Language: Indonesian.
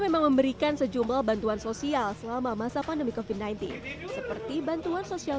memang memberikan sejumlah bantuan sosial selama masa pandemi ke finitif seperti bantuan sosial